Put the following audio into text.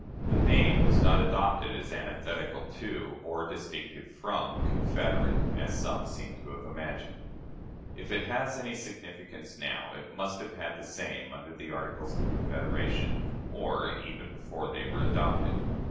The name was not adopted as antithetical to, or distinctive from, "confederate," as some seem to have imagined. If it has any significance now, it must have had the same under the Articles of Confederation, or even before they were adopted.